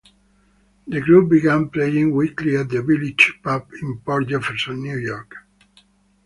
The group began playing weekly at the Village Pub in Port Jefferson, New York.